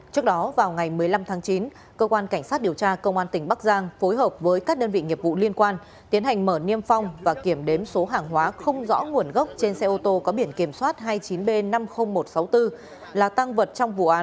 trước đó vào ngày một mươi năm tháng chín cơ quan cảnh sát điều tra công an tỉnh bắc giang phối hợp với các đơn vị nghiệp vụ liên quan tiến hành mở niêm phong và kiểm đếm số hàng hóa không rõ nguồn gốc trên xe ô tô có biển kiểm soát hai mươi chín b năm mươi nghìn một trăm sáu mươi bốn là tăng vật trong vụ án